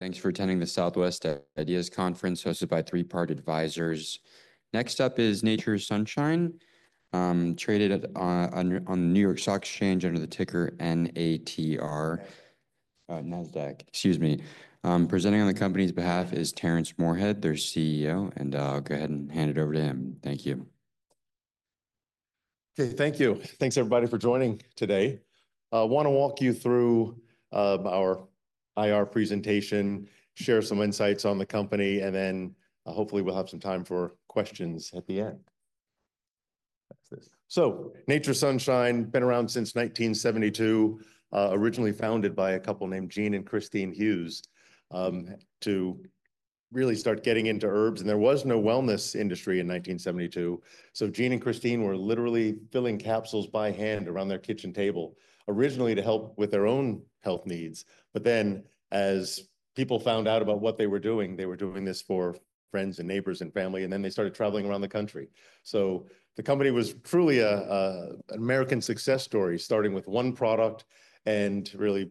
Thanks for attending the Southwest IDEAS Conference hosted by Three Part Advisors. Next up is Nature's Sunshine, traded on Nasdaq under the ticker NATR. Excuse me. Presenting on the company's behalf is Terrence Moorehead, their CEO, and I'll go ahead and hand it over to him. Thank you. Okay, thank you. Thanks, everybody, for joining today. I want to walk you through our IR presentation, share some insights on the company, and then hopefully we'll have some time for questions at the end. That's this, so Nature's Sunshine has been around since 1972, originally founded by a couple named Gene and Kristine Hughes to really start getting into herbs, and there was no wellness industry in 1972, so Gene and Kristine were literally filling capsules by hand around their kitchen table, originally to help with their own health needs, but then as people found out about what they were doing, they were doing this for friends and neighbors and family, and then they started traveling around the country. The company was truly an American success story, starting with one product and really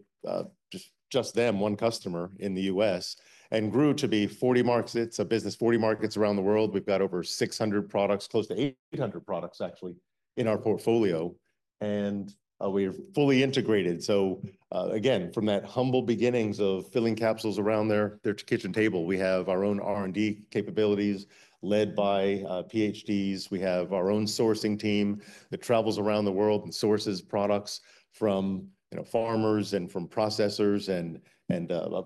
just one customer in the U.S., and grew to be a business, 40 markets around the world. We've got over 600 products, close to 800 products, actually, in our portfolio, and we are fully integrated. Again, from that humble beginnings of filling capsules around their kitchen table, we have our own R&D capabilities led by PhDs. We have our own sourcing team that travels around the world and sources products from you know, farmers and from processors and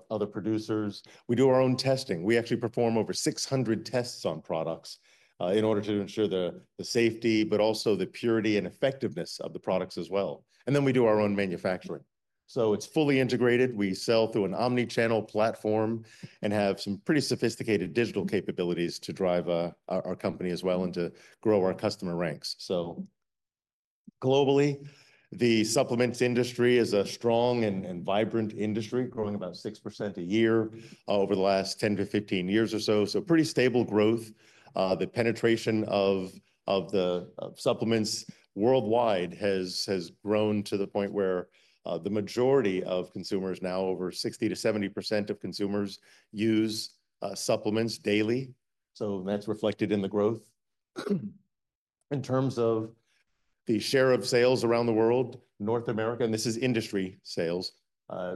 other producers. We do our own testing. We actually perform over 600 tests on products, in order to ensure the safety, but also the purity and effectiveness of the products as well. Then we do our own manufacturing. So it's fully integrated. We sell through an omnichannel platform and have some pretty sophisticated digital capabilities to drive our company as well and to grow our customer ranks. So globally, the supplements industry is a strong and vibrant industry, growing about 6% a year over the last 10-15 years or so. So pretty stable growth. The penetration of supplements worldwide has grown to the point where the majority of consumers, now over 60%-70% of consumers, use supplements daily. So that's reflected in the growth. In terms of the share of sales around the world, North America, and this is industry sales,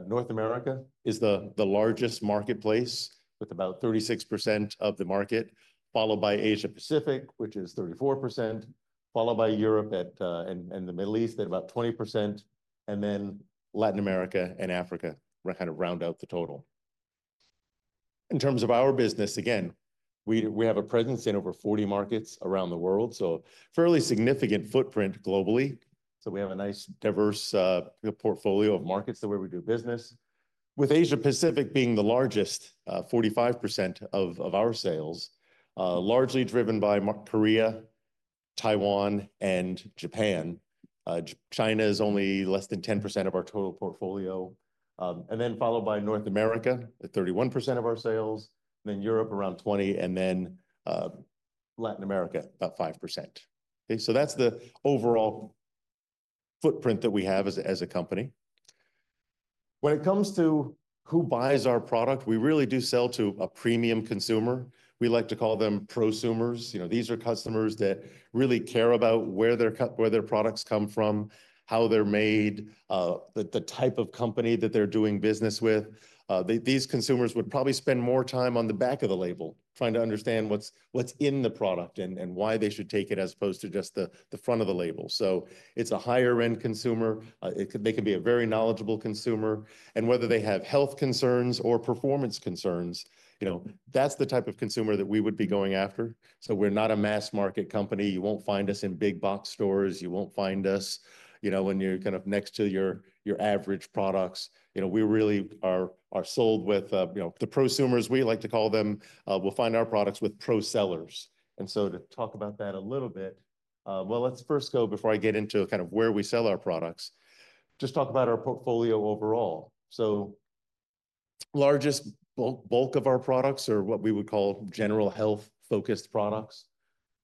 North America is the largest marketplace with about 36% of the market, followed by Asia Pacific, which is 34%, followed by Europe and the Middle East at about 20%, and then Latin America and Africa kind of round out the total. In terms of our business, again, we have a presence in over 40 markets around the world, so a fairly significant footprint globally. So we have a nice, diverse, portfolio of markets to where we do business, with Asia Pacific being the largest, 45% of our sales, largely driven by Korea, Taiwan, and Japan. China is only less than 10% of our total portfolio, and then followed by North America at 31% of our sales, then Europe around 20%, and then Latin America about 5%. Okay, so that's the overall footprint that we have as a company. When it comes to who buys our product, we really do sell to a premium consumer. We like to call them prosumers. You know, these are customers that really care about where their products come from, how they're made, the type of company that they're doing business with. These consumers would probably spend more time on the back of the label trying to understand what's in the product and why they should take it as opposed to just the front of the label. So it's a higher-end consumer. They can be a very knowledgeable consumer, and whether they have health concerns or performance concerns, you know, that's the type of consumer that we would be going after. So we're not a mass market company. You won't find us in big box stores. You won't find us, you know, when you're kind of next to your average products. You know, we really are sold with, you know, the prosumers, we like to call them, will find our products with pro sellers. And so to talk about that a little bit, well, let's first go, before I get into kind of where we sell our products, just talk about our portfolio overall. So largest bulk of our products are what we would call general health-focused products.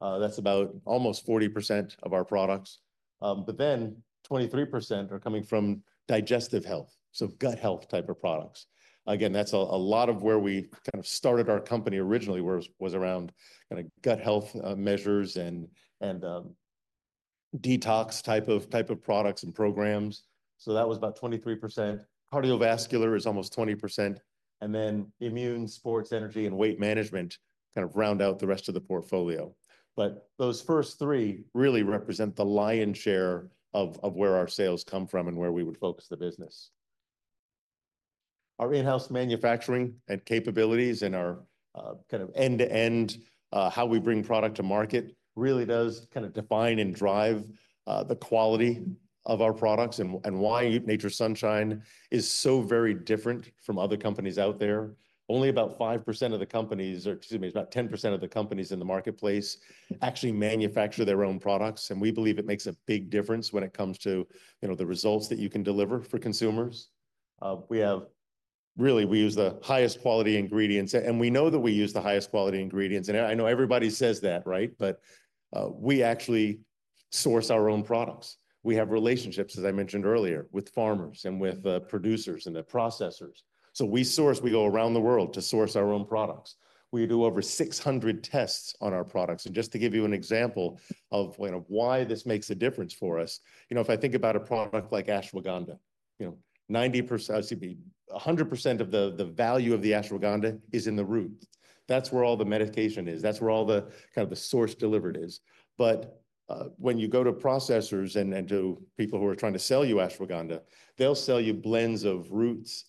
That's about almost 40% of our products, but then 23% are coming from digestive health, so gut health type of products. Again, that's a lot of where we kind of started our company originally was around kind of gut health, measures and detox type of products and programs. So that was about 23%. Cardiovascular is almost 20%, and then immune, sports, energy, and weight management kind of round out the rest of the portfolio, but those first three really represent the lion's share of where our sales come from and where we would focus the business. Our in-house manufacturing and capabilities and our kind of end-to-end how we bring product to market really does kind of define and drive the quality of our products and why Nature's Sunshine is so very different from other companies out there. Only about 5% of the companies, or excuse me, it's about 10% of the companies in the marketplace actually manufacture their own products, and we believe it makes a big difference when it comes to, you know, the results that you can deliver for consumers. We use the highest quality ingredients, and we know that we use the highest quality ingredients. I know everybody says that, right? We actually source our own products. We have relationships, as I mentioned earlier, with farmers and with producers and the processors. We source, we go around the world to source our own products. We do over 600 tests on our products. Just to give you an example of, you know, why this makes a difference for us, you know, if I think about a product like Ashwagandha, you know, 90%. I should be 100% of the value of the Ashwagandha is in the root. That's where all the medication is. That's where all the kind of the source delivered is. When you go to processors and to people who are trying to sell you Ashwagandha, they'll sell you blends of roots,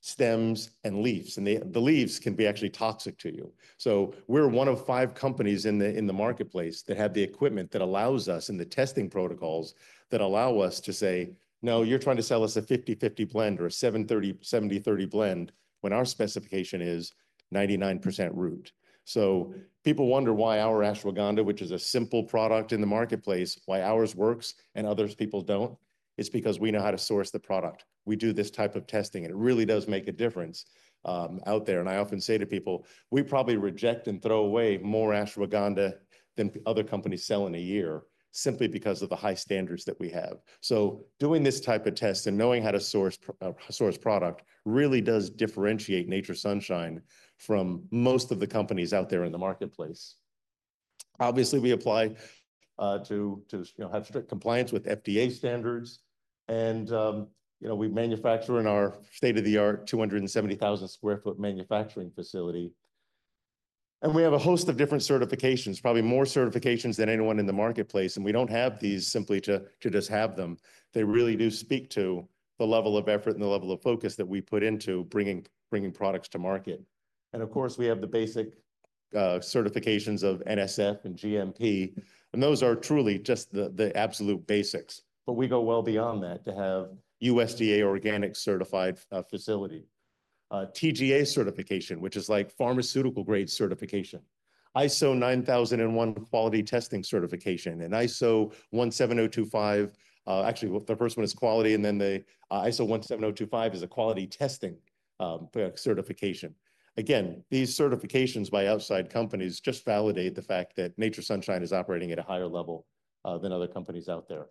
stems, and leaves. The leaves can be actually toxic to you. So we're one of five companies in the marketplace that have the equipment that allows us and the testing protocols that allow us to say, no, you're trying to sell us a 50/50 blend or a 70/30 blend when our specification is 99% root. So people wonder why our Ashwagandha, which is a simple product in the marketplace, why ours works and others' don't. It's because we know how to source the product. We do this type of testing, and it really does make a difference out there. And I often say to people, we probably reject and throw away more Ashwagandha than other companies sell in a year simply because of the high standards that we have. So doing this type of test and knowing how to source, source product really does differentiate Nature's Sunshine from most of the companies out there in the marketplace. Obviously, we apply to, you know, have strict compliance with FDA standards. And, you know, we manufacture in our state-of-the-art 270,000 sq ft manufacturing facility. And we have a host of different certifications, probably more certifications than anyone in the marketplace. And we don't have these simply to just have them. They really do speak to the level of effort and the level of focus that we put into bringing products to market. And of course, we have the basic certifications of NSF and GMP. And those are truly just the absolute basics. But we go well beyond that to have USDA organic certified facility, TGA certification, which is like pharmaceutical-grade certification, ISO 9001 quality testing certification, and ISO 17025. Actually, the first one is quality, and then ISO 17025 is a quality testing certification. Again, these certifications by outside companies just validate the fact that Nature's Sunshine is operating at a higher level than other companies out there.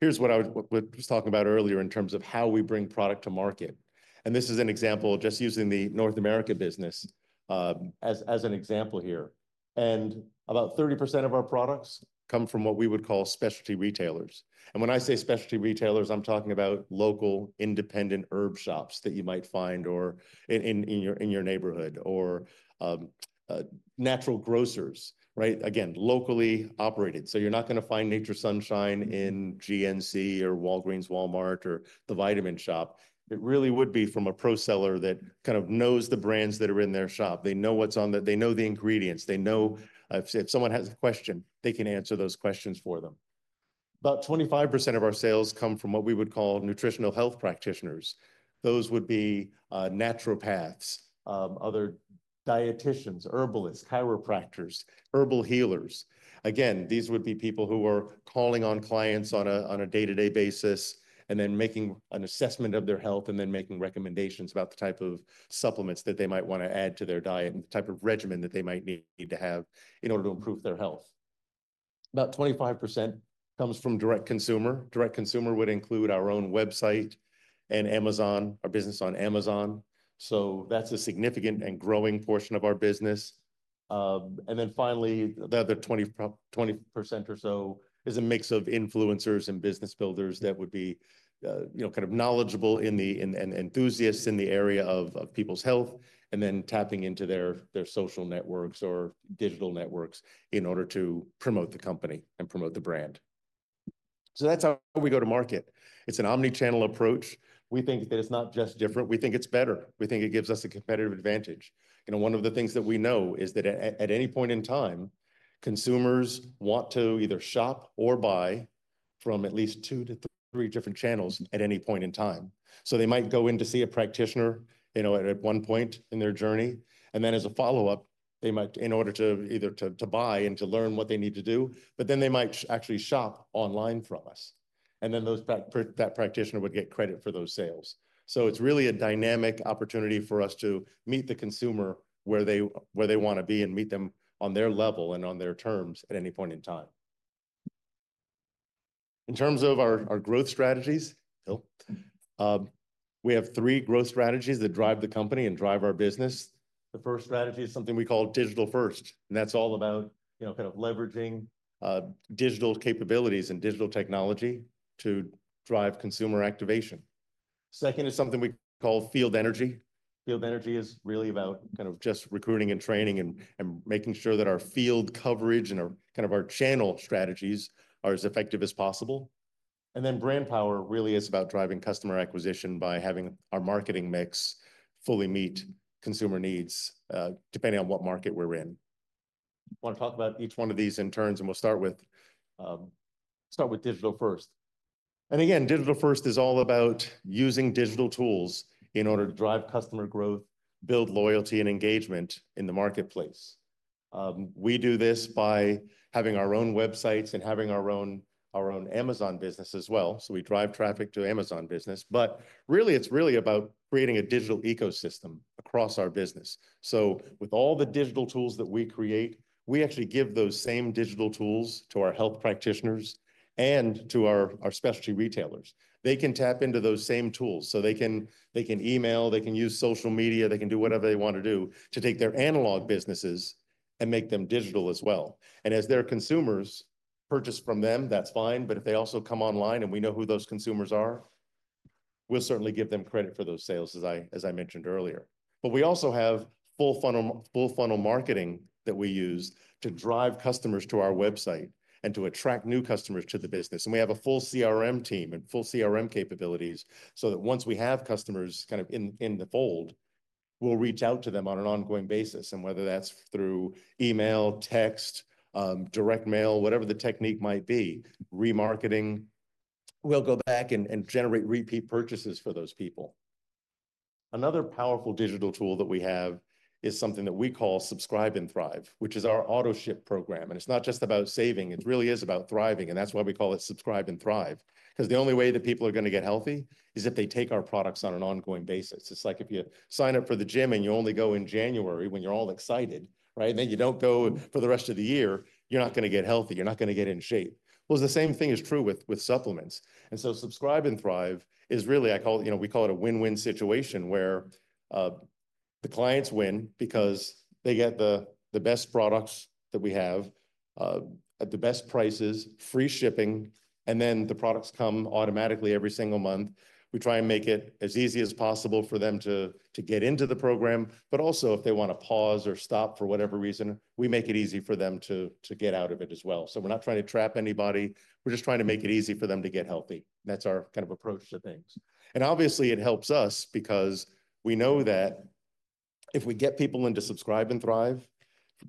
Here's what we was talking about earlier in terms of how we bring product to market. This is an example just using the North America business as an example here. About 30% of our products come from what we would call specialty retailers. When I say specialty retailers, I'm talking about local independent herb shops that you might find in your neighborhood or natural grocers, right? Again, locally operated. You're not going to find Nature's Sunshine in GNC or Walgreens, Walmart, or The Vitamin Shoppe. It really would be from a pro seller that kind of knows the brands that are in their shop. They know what's on the, they know the ingredients. They know, if someone has a question, they can answer those questions for them. About 25% of our sales come from what we would call nutritional health practitioners. Those would be naturopaths, other dietitians, herbalists, chiropractors, herbal healers. Again, these would be people who are calling on clients on a day-to-day basis and then making an assessment of their health and then making recommendations about the type of supplements that they might want to add to their diet and the type of regimen that they might need to have in order to improve their health. About 25% comes from direct consumer. Direct consumer would include our own website and Amazon, our business on Amazon. So that's a significant and growing portion of our business. And then finally, the other 20% or so is a mix of influencers and business builders that would be, you know, kind of knowledgeable and enthusiasts in the area of people's health, and then tapping into their social networks or digital networks in order to promote the company and promote the brand. So that's how we go to market. It's an omnichannel approach. We think that it's not just different. We think it's better. We think it gives us a competitive advantage. You know, one of the things that we know is that at any point in time, consumers want to either shop or buy from at least two to three different channels at any point in time. So they might go in to see a practitioner, you know, at one point in their journey. And then as a follow-up, they might in order to either to buy and to learn what they need to do, but then they might actually shop online from us. And then that practitioner would get credit for those sales. So it's really a dynamic opportunity for us to meet the consumer where they want to be and meet them on their level and on their terms at any point in time. In terms of our growth strategies, we have three growth strategies that drive the company and drive our business. The first strategy is something we call Digital First. And that's all about, you know, kind of leveraging digital capabilities and digital technology to drive consumer activation. Second is something we call Field Energy. Field Energy is really about kind of just recruiting and training and making sure that our field coverage and our channel strategies are as effective as possible. Then Brand Power really is about driving customer acquisition by having our marketing mix fully meet consumer needs, depending on what market we're in. Want to talk about each one of these in turns? We'll start with Digital First. Again, Digital First is all about using digital tools in order to drive customer growth, build loyalty and engagement in the marketplace. We do this by having our own websites and having our own Amazon business as well. So we drive traffic to Amazon business. But really, it's really about creating a digital ecosystem across our business. With all the digital tools that we create, we actually give those same digital tools to our health practitioners and to our specialty retailers. They can tap into those same tools. They can email, they can use social media, they can do whatever they want to do to take their analog businesses and make them digital as well. As their consumers purchase from them, that's fine. If they also come online and we know who those consumers are, we'll certainly give them credit for those sales, as I mentioned earlier. We also have full funnel marketing that we use to drive customers to our website and to attract new customers to the business. And we have a full CRM team and full CRM capabilities so that once we have customers kind of in the fold, we'll reach out to them on an ongoing basis. And whether that's through email, text, direct mail, whatever the technique might be, remarketing, we'll go back and generate repeat purchases for those people. Another powerful digital tool that we have is something that we call Subscribe and Thrive, which is our auto ship program. And it's not just about saving. It really is about thriving. And that's why we call it Subscribe and Thrive, because the only way that people are going to get healthy is if they take our products on an ongoing basis. It's like if you sign up for the gym and you only go in January when you're all excited, right? And then you don't go for the rest of the year, you're not going to get healthy. You're not going to get in shape. Well, the same thing is true with supplements. And so Subscribe and Thrive is really, I call it, you know, we call it a win-win situation where the clients win because they get the best products that we have, at the best prices, free shipping, and then the products come automatically every single month. We try and make it as easy as possible for them to get into the program, but also if they want to pause or stop for whatever reason, we make it easy for them to get out of it as well. So we're not trying to trap anybody. We're just trying to make it easy for them to get healthy. That's our kind of approach to things. Obviously it helps us because we know that if we get people into Subscribe and Thrive,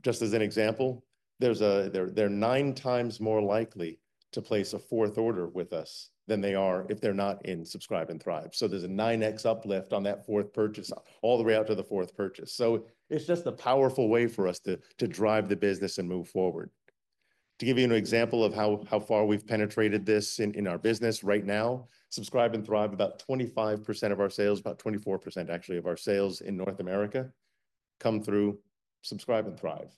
just as an example, they're 9x more likely to place a fourth order with us than they are if they're not in Subscribe and Thrive. There's a 9x uplift on that fourth purchase all the way out to the fourth purchase. It's just a powerful way for us to drive the business and move forward. To give you an example of how far we've penetrated this in our business right now, Subscribe and Thrive, about 25% of our sales, about 24% actually of our sales in North America come through Subscribe and Thrive.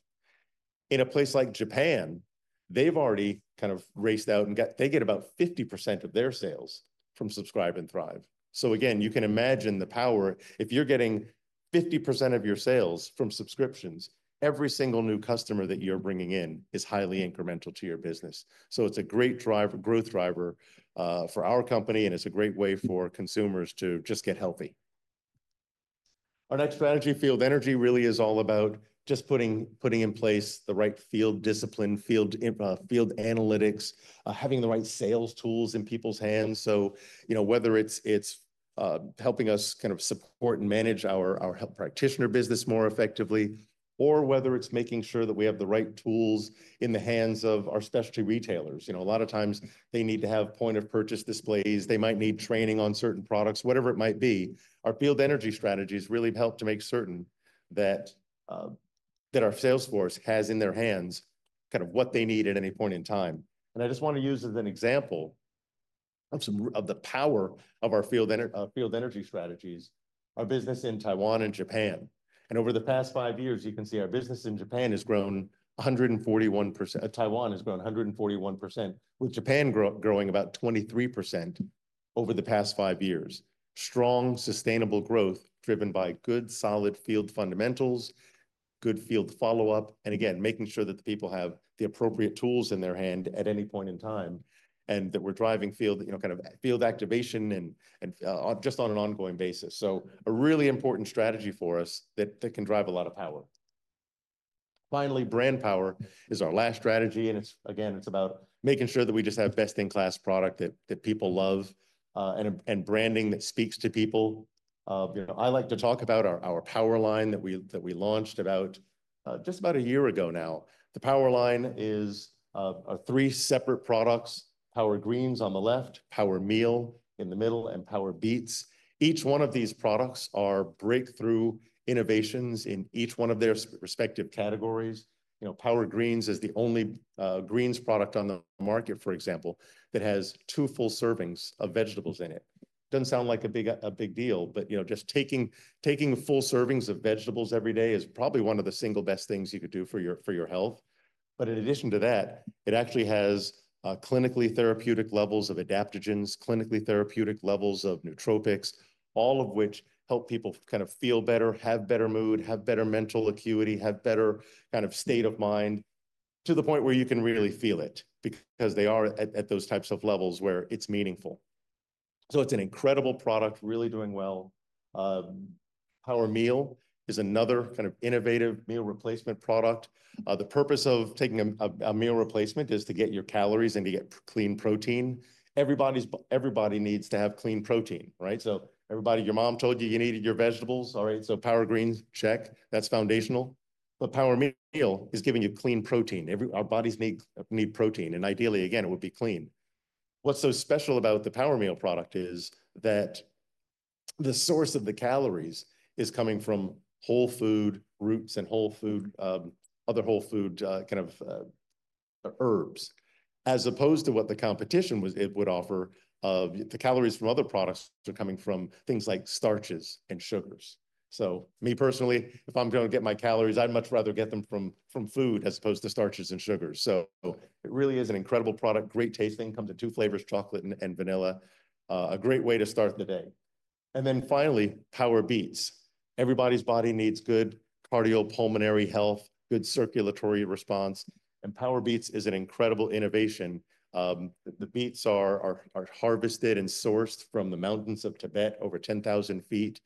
In a place like Japan, they've already kind of raced out and they get about 50% of their sales from Subscribe and Thrive. So again, you can imagine the power if you're getting 50% of your sales from subscriptions, every single new customer that you're bringing in is highly incremental to your business. So it's a great driver, growth driver, for our company. And it's a great way for consumers to just get healthy. Our next strategy, Field Energy, really is all about just putting in place the right field discipline, field analytics, having the right sales tools in people's hands. So, you know, whether it's helping us kind of support and manage our health practitioner business more effectively, or whether it's making sure that we have the right tools in the hands of our specialty retailers. You know, a lot of times they need to have point of purchase displays. They might need training on certain products, whatever it might be. Our Field Energy strategies really help to make certain that our sales force has in their hands kind of what they need at any point in time. And I just want to use as an example of some of the power of our Field Energy strategies, our business in Taiwan and Japan. And over the past five years, you can see our business in Japan has grown 141%. Taiwan has grown 141%, with Japan growing about 23% over the past five years. Strong, sustainable growth driven by good, solid field fundamentals, good field follow-up, and again, making sure that the people have the appropriate tools in their hand at any point in time and that we're driving field, you know, kind of field activation and just on an ongoing basis. So a really important strategy for us that can drive a lot of power. Finally, Brand Power is our last strategy. And it's, again, it's about making sure that we just have best in class product that, that people love, and, and branding that speaks to people. You know, I like to talk about our, our Power Line that we, that we launched about, just about a year ago now. The Power Line is, our three separate products, Power Greens on the left, Power Meal in the middle, and Power Beets. Each one of these products are breakthrough innovations in each one of their respective categories. You know, Power Greens is the only, greens product on the market, for example, that has two full servings of vegetables in it. Doesn't sound like a big deal, but, you know, just taking full servings of vegetables every day is probably one of the single best things you could do for your health. But in addition to that, it actually has clinically therapeutic levels of adaptogens, clinically therapeutic levels of nootropics, all of which help people kind of feel better, have better mood, have better mental acuity, have better kind of state of mind to the point where you can really feel it because they are at those types of levels where it's meaningful. So it's an incredible product, really doing well. Power Meal is another kind of innovative meal replacement product. The purpose of taking a meal replacement is to get your calories and to get clean protein. Everybody needs to have clean protein, right? So everybody, your mom told you you needed your vegetables. All right. So Power Greens, check. That's foundational. But Power Meal is giving you clean protein. Our bodies need protein. And ideally, again, it would be clean. What's so special about the Power Meal product is that the source of the calories is coming from whole food roots and whole food, other whole food, kind of, herbs, as opposed to what the competition was, it would offer. The calories from other products are coming from things like starches and sugars. So me personally, if I'm going to get my calories, I'd much rather get them from food as opposed to starches and sugars. So it really is an incredible product. Great tasting. Comes in two flavors, chocolate and vanilla. A great way to start the day. And then finally, Power Beets. Everybody's body needs good cardiopulmonary health, good circulatory response. And Power Beets is an incredible innovation. The beets are harvested and sourced from the mountains of Tibet over 10,000 feet.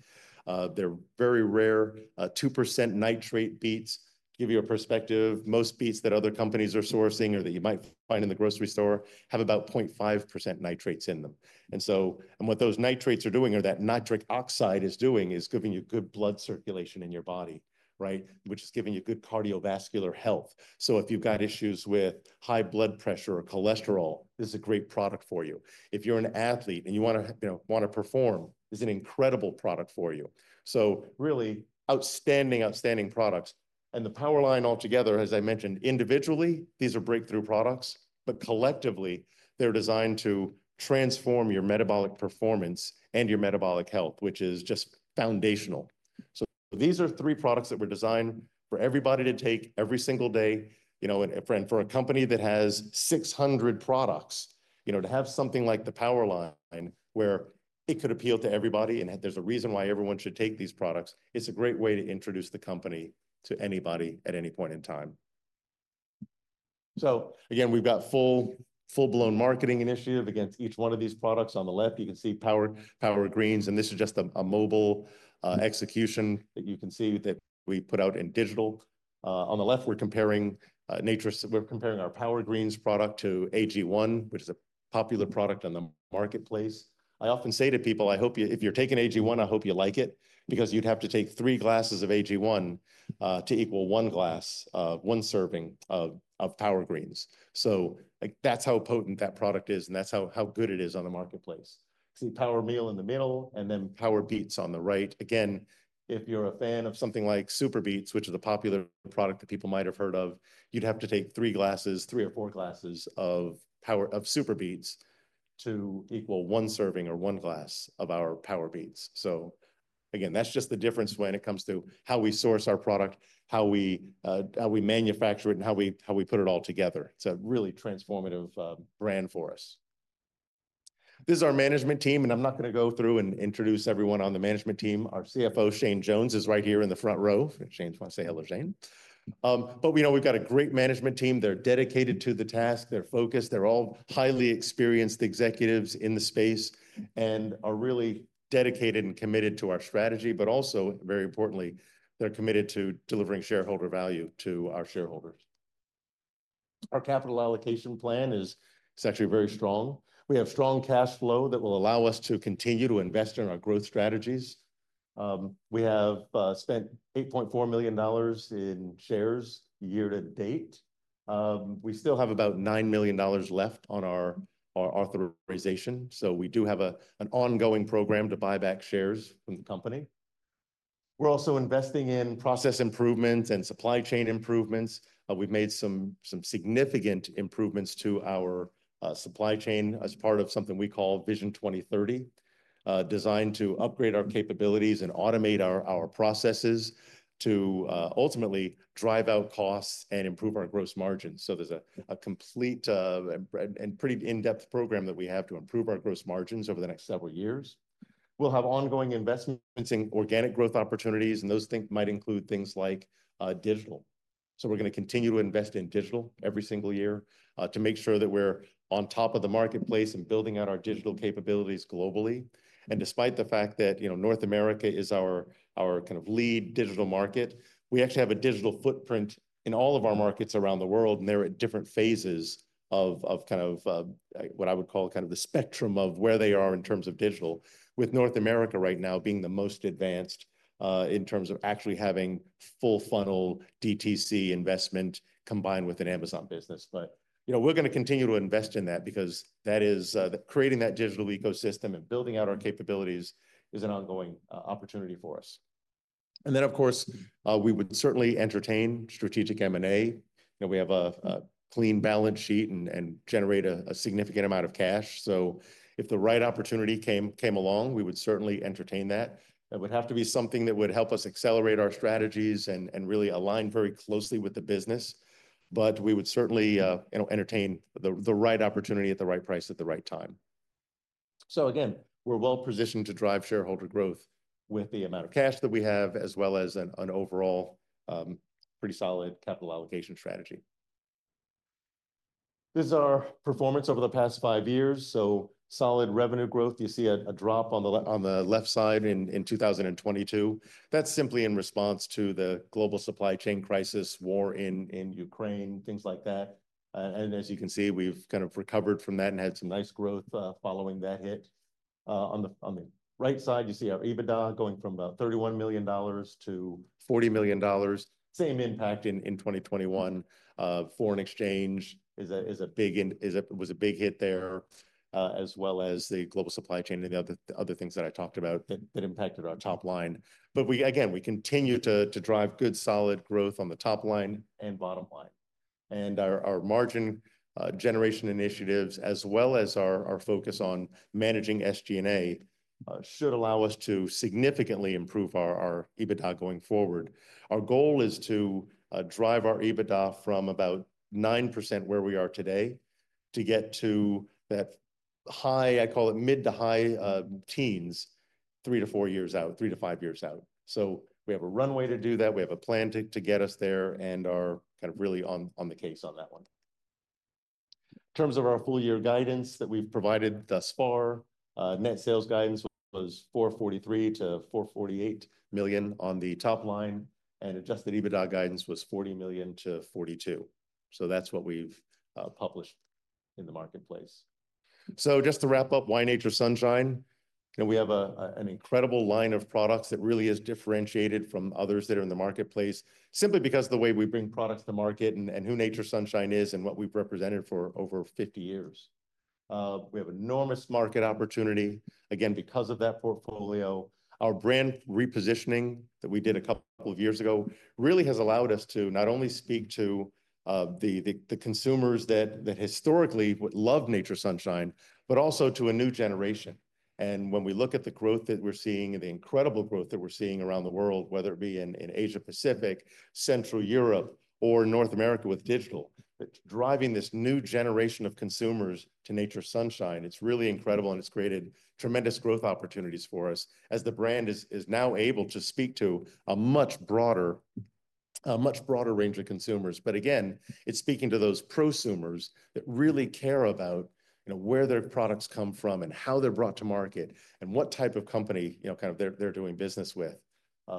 They're very rare. 2% nitrate beets. Give you a perspective. Most beets that other companies are sourcing or that you might find in the grocery store have about 0.5% nitrates in them. And so what those nitrates are doing or that nitric oxide is doing is giving you good blood circulation in your body, right? Which is giving you good cardiovascular health. So if you've got issues with high blood pressure or cholesterol, this is a great product for you. If you're an athlete and you want to, you know, perform, this is an incredible product for you. So really outstanding products. And the Power Line altogether, as I mentioned, individually, these are breakthrough products, but collectively they're designed to transform your metabolic performance and your metabolic health, which is just foundational. So these are three products that were designed for everybody to take every single day, you know, and for a company that has 600 products, you know, to have something like the Power Line where it could appeal to everybody and there's a reason why everyone should take these products. It's a great way to introduce the company to anybody at any point in time. So again, we've got full-blown marketing initiative against each one of these products. On the left, you can see Power Greens. And this is just a mobile execution that you can see that we put out in digital. On the left, we're comparing our Power Greens product to AG1, which is a popular product on the marketplace. I often say to people, if you're taking AG1, I hope you like it because you'd have to take three glasses of AG1 to equal one glass, one serving of Power Greens. So like that's how potent that product is. And that's how good it is on the marketplace. See Power Meal in the middle and then Power Beets on the right. Again, if you're a fan of something like SuperBeets, which is a popular product that people might have heard of, you'd have to take three glasses, three or four glasses of SuperBeets to equal one serving or one glass of our Power Beets. So again, that's just the difference when it comes to how we source our product, how we manufacture it and how we put it all together. It's a really transformative brand for us. This is our management team, and I'm not going to go through and introduce everyone on the management team. Our CFO, Shane Jones, is right here in the front row. Shane, want to say hello, Shane. But we know we've got a great management team. They're dedicated to the task. They're focused. They're all highly experienced executives in the space and are really dedicated and committed to our strategy, but also, very importantly, they're committed to delivering shareholder value to our shareholders. Our capital allocation plan is. It's actually very strong. We have strong cash flow that will allow us to continue to invest in our growth strategies. We have spent $8.4 million in shares year to date. We still have about $9 million left on our authorization. So we do have an ongoing program to buy back shares from the company. We're also investing in process improvements and supply chain improvements. We've made some significant improvements to our supply chain as part of something we call Vision 2030, designed to upgrade our capabilities and automate our processes to ultimately drive out costs and improve our gross margins. So there's a complete and pretty in-depth program that we have to improve our gross margins over the next several years. We'll have ongoing investments in organic growth opportunities, and those things might include things like digital. So we're going to continue to invest in digital every single year, to make sure that we're on top of the marketplace and building out our digital capabilities globally. And despite the fact that, you know, North America is our kind of lead digital market, we actually have a digital footprint in all of our markets around the world, and they're at different phases of kind of what I would call kind of the spectrum of where they are in terms of digital, with North America right now being the most advanced, in terms of actually having full funnel DTC investment combined with an Amazon business. But, you know, we're going to continue to invest in that because that is, creating that digital ecosystem and building out our capabilities is an ongoing, opportunity for us. And then, of course, we would certainly entertain strategic M&A. You know, we have a clean balance sheet and generate a significant amount of cash. So if the right opportunity came along, we would certainly entertain that. It would have to be something that would help us accelerate our strategies and really align very closely with the business. But we would certainly, you know, entertain the right opportunity at the right price at the right time. So again, we're well positioned to drive shareholder growth with the amount of cash that we have, as well as an overall, pretty solid capital allocation strategy. This is our performance over the past five years. So solid revenue growth. You see a drop on the left side in 2022. That's simply in response to the global supply chain crisis, war in Ukraine, things like that. And as you can see, we've kind of recovered from that and had some nice growth following that hit. On the right side, you see our EBITDA going from about $31 million-$40 million. Same impact in 2021. Foreign exchange was a big hit there, as well as the global supply chain and the other things that I talked about that impacted our top line. But we again continue to drive good solid growth on the top line and bottom line. And our margin generation initiatives, as well as our focus on managing SG&A, should allow us to significantly improve our EBITDA going forward. Our goal is to drive our EBITDA from about 9% where we are today to get to that high. I call it mid- to high-teens, three to four years out, three to five years out. So we have a runway to do that. We have a plan to get us there and are kind of really on the case on that one. In terms of our full year guidance that we've provided thus far, net sales guidance was $443 million-$448 million on the top line, and adjusted EBITDA guidance was $40 million-$42 million. So that's what we've published in the marketplace. So just to wrap up, why Nature's Sunshine? You know, we have an incredible line of products that really is differentiated from others that are in the marketplace simply because of the way we bring products to market and who Nature's Sunshine is and what we've represented for over 50 years. We have enormous market opportunity again because of that portfolio. Our brand repositioning that we did a couple of years ago really has allowed us to not only speak to the consumers that historically would love Nature's Sunshine, but also to a new generation, and when we look at the growth that we're seeing and the incredible growth that we're seeing around the world, whether it be in Asia Pacific, Central Europe, or North America with digital, it's driving this new generation of consumers to Nature's Sunshine. It's really incredible and it's created tremendous growth opportunities for us as the brand is now able to speak to a much broader range of consumers, but again, it's speaking to those prosumers that really care about, you know, where their products come from and how they're brought to market and what type of company, you know, kind of they're doing business with,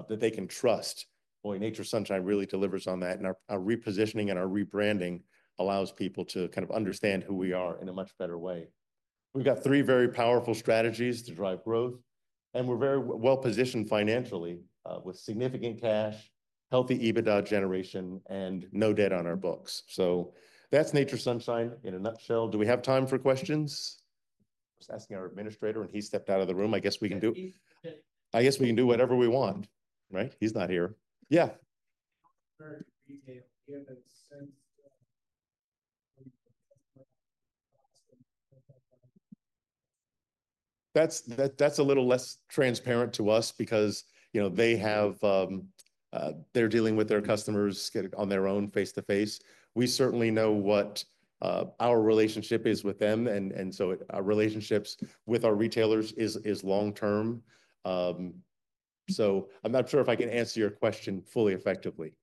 that they can trust. Boy, Nature's Sunshine really delivers on that and our repositioning and our rebranding allows people to kind of understand who we are in a much better way. We've got three very powerful strategies to drive growth and we're very well positioned financially, with significant cash, healthy EBITDA generation, and no debt on our books, so that's Nature's Sunshine in a nutshell. Do we have time for questions? I was asking our administrator and he stepped out of the room. I guess we can do whatever we want, right? He's not here. Yeah. That's a little less transparent to us because, you know, they have, they're dealing with their customers on their own face to face. We certainly know what our relationship is with them and so our relationships with our retailers is long term. So I'm not sure if I can answer your question fully effectively.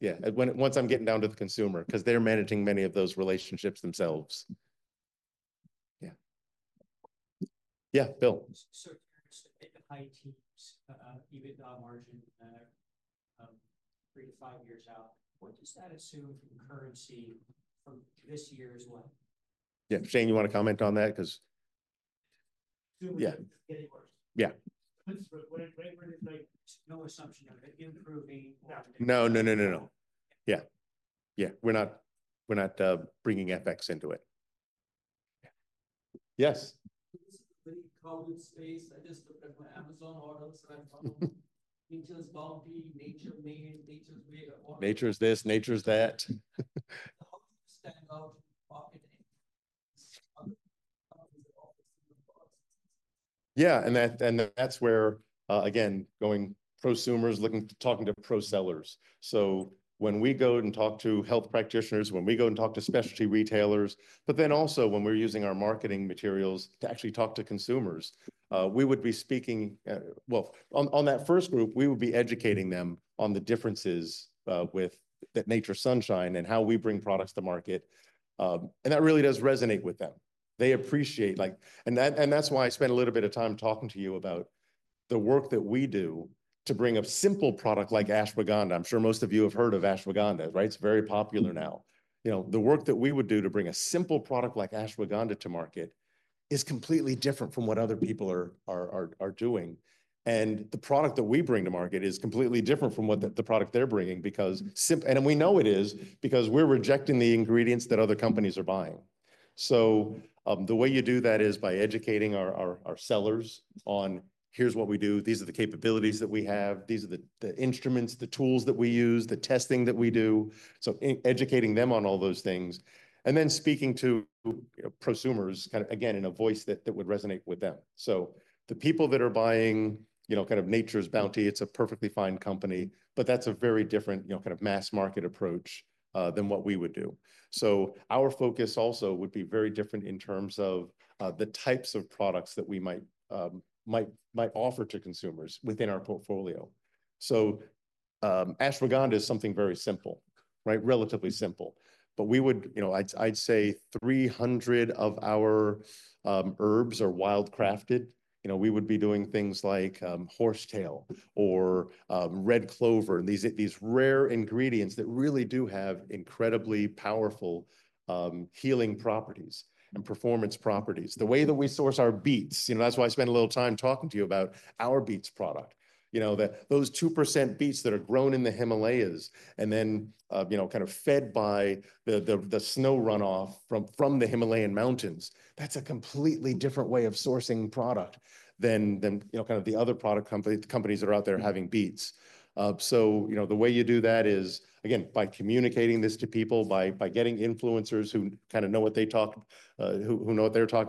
Yeah. Once I'm getting down to the consumer, because they're managing many of those relationships themselves. Yeah. Yeah. Bill. So if high teens EBITDA margin, three to five years out, what does that assume from currency from this year's like? Yeah. Shane, you want to comment on that? Because assume we're getting worse. Yeah. But what it is like to no assumption of it improving. No, no, no, no, no. Yeah. Yeah. We're not bringing FX into it. Yes. What do you call this space? I just looked at my Amazon orders and I found Nature's Bounty, Nature Made, Nature's Way to order. Nature's this, Nature's that. Yeah. And that's where, again, going prosumers looking, talking to pro sellers. So when we go and talk to health practitioners, when we go and talk to specialty retailers, but then also when we're using our marketing materials to actually talk to consumers, we would be speaking well on that first group. We would be educating them on the differences with Nature's Sunshine and how we bring products to market. And that really does resonate with them. They appreciate, like, and that, and that's why I spent a little bit of time talking to you about the work that we do to bring a simple product like Ashwagandha. I'm sure most of you have heard of Ashwagandha, right? It's very popular now. You know, the work that we would do to bring a simple product like Ashwagandha to market is completely different from what other people are doing, and the product that we bring to market is completely different from what the product they're bringing because, and we know it is because we're rejecting the ingredients that other companies are buying, so the way you do that is by educating our sellers on here's what we do. These are the capabilities that we have. These are the instruments, the tools that we use, the testing that we do. So educating them on all those things and then speaking to prosumers kind of again in a voice that would resonate with them. The people that are buying, you know, kind of Nature's Bounty, it's a perfectly fine company, but that's a very different, you know, kind of mass market approach than what we would do. Our focus also would be very different in terms of the types of products that we might offer to consumers within our portfolio. Ashwagandha is something very simple, right? Relatively simple. But we would, you know, I'd say 300 of our herbs are wild-crafted. You know, we would be doing things like horsetail or red clover and these rare ingredients that really do have incredibly powerful healing properties and performance properties. The way that we source our beets, you know, that's why I spent a little time talking to you about our beets product, you know, that those 2% beets that are grown in the Himalayas and then, you know, kind of fed by the snow runoff from the Himalayan mountains, that's a completely different way of sourcing product than, than, you know, kind of the other product companies, companies that are out there having beets. So, you know, the way you do that is again, by communicating this to people, by getting influencers who know what they're talking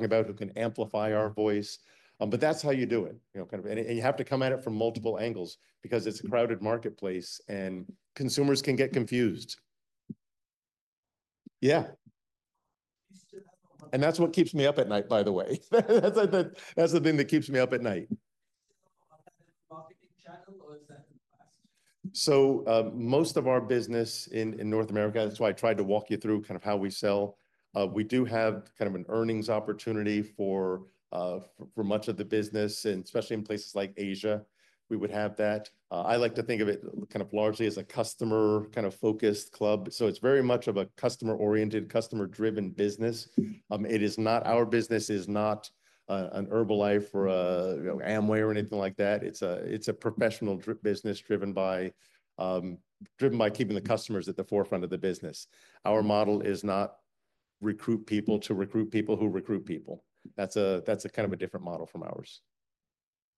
about, who can amplify our voice. But that's how you do it, you know, kind of, and you have to come at it from multiple angles because it's a crowded marketplace and consumers can get confused. Yeah. That's what keeps me up at night, by the way. That's the, that's the thing that keeps me up at night. Marketing channel or is that in the past? Most of our business in North America, that's why I tried to walk you through kind of how we sell. We do have kind of an earnings opportunity for much of the business and especially in places like Asia, we would have that. I like to think of it kind of largely as a customer kind of focused club. It's very much of a customer oriented, customer driven business. It is not our business, it is not, a Herbalife or a, you know, Amway or anything like that. It's a professional business driven by keeping the customers at the forefront of the business. Our model is not recruit people to recruit people who recruit people. That's a kind of different model from ours.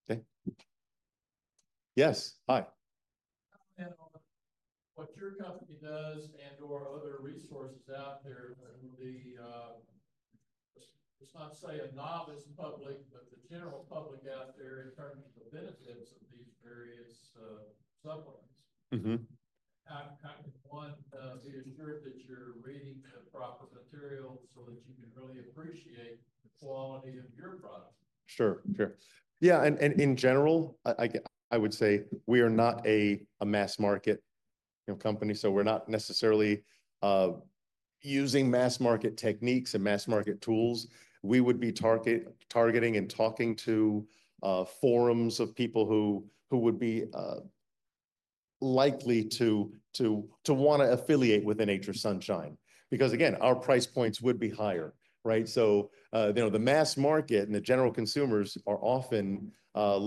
Okay. Yes. Hi. What your company does and/or other resources out there will be, let's not say a novice public, but the general public out there in terms of the benefits of these various supplements. Mm-hmm. How can one be assured that you're reading the proper material so that you can really appreciate the quality of your product? Sure. Yeah. And in general, I would say we are not a mass market, you know, company. So we're not necessarily using mass market techniques and mass market tools. We would be targeting and talking to forums of people who would be likely to want to affiliate with Nature's Sunshine because again, our price points would be higher, right? So, you know, the mass market and the general consumers are often more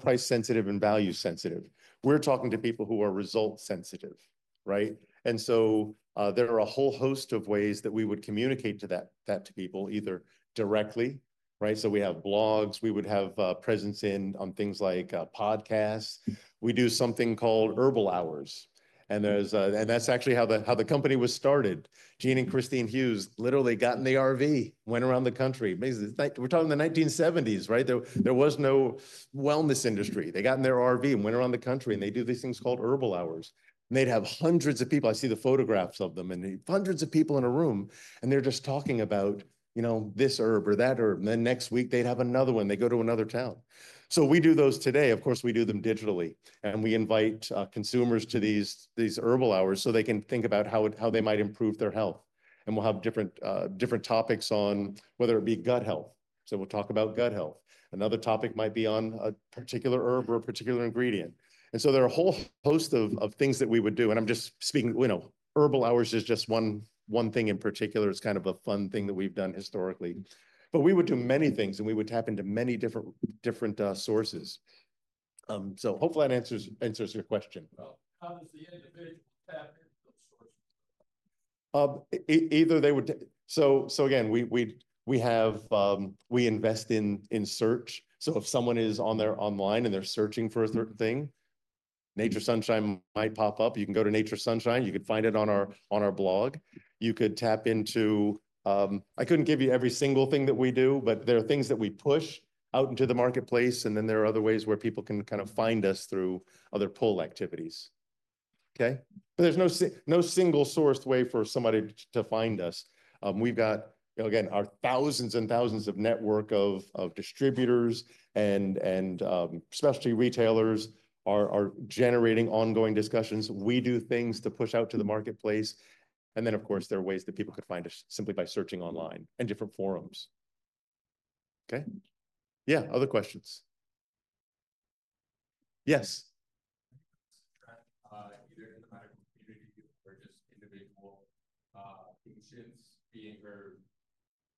price sensitive and value sensitive. We're talking to people who are result sensitive, right? And so, there are a whole host of ways that we would communicate that to people either directly, right? So we have blogs, we would have presence on things like podcasts. We do something called Herbal Hours. And that's actually how the company was started. Gene and Kristine Hughes literally got in the RV, went around the country. We're talking in the 1970s, right? There was no wellness industry. They got in their RV and went around the country and they do these things called Herbal Hours. And they'd have hundreds of people. I see the photographs of them and hundreds of people in a room and they're just talking about, you know, this herb or that herb. And then next week they'd have another one. They go to another town. So we do those today. Of course, we do them digitally and we invite consumers to these herbal hours so they can think about how they might improve their health. And we'll have different topics on whether it be gut health. So we'll talk about gut health. Another topic might be on a particular herb or a particular ingredient. And so there are a whole host of things that we would do. And I'm just speaking, you know, herbal hours is just one thing in particular. It's kind of a fun thing that we've done historically, but we would do many things and we would tap into many different sources. Hopefully that answers your question. How does the individual tap into those sources? Either they would, so again, we invest in search. If someone is online and they're searching for a certain thing, Nature's Sunshine might pop up. You can go to Nature's Sunshine. You could find it on our blog. You could tap into. I couldn't give you every single thing that we do, but there are things that we push out into the marketplace and then there are other ways where people can kind of find us through other pull activities. Okay. But there's no single source way for somebody to find us. We've got, you know, again, our thousands and thousands of network of distributors and especially retailers are generating ongoing discussions. We do things to push out to the marketplace. And then of course, there are ways that people could find us simply by searching online and different forums. Okay. Yeah. Other questions? Yes. Either in the medical community or just individual patients being heard,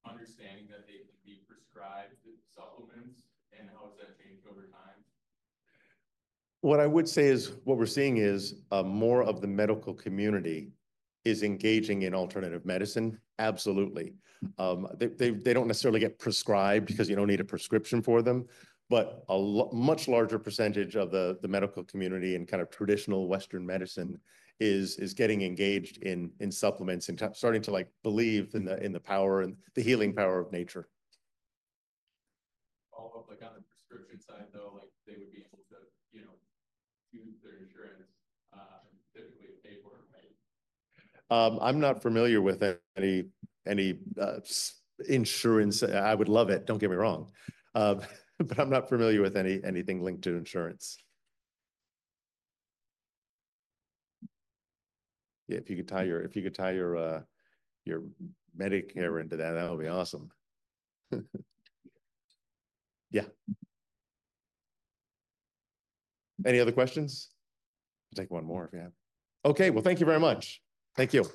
understanding that they can be prescribed supplements. And how has that changed over time? What I would say is what we're seeing is more of the medical community is engaging in alternative medicine. Absolutely. They don't necessarily get prescribed because you don't need a prescription for them, but a much larger percentage of the medical community and kind of traditional Western medicine is getting engaged in supplements and starting to like believe in the power and the healing power of nature. All of the kind of prescription side though, like they would be able to, you know, use their insurance, typically pay for it, right? I'm not familiar with any insurance. I would love it. Don't get me wrong, but I'm not familiar with anything linked to insurance. Yeah. If you could tie your Medicare into that, that would be awesome. Yeah. Any other questions? I'll take one more if you have. Okay. Well, thank you very much. Thank you.